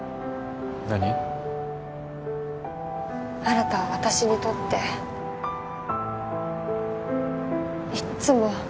新は私にとっていっつも。